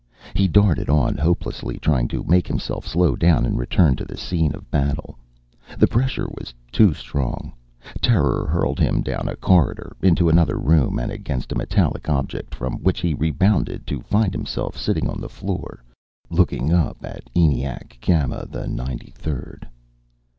He darted on, hopelessly trying to make himself slow down and return to the scene of battle. The pressure was too strong. Terror hurled him down a corridor, into another room, and against a metallic object from which he rebounded, to find himself sitting on the floor looking up at ENIAC Gamma the Ninety Third.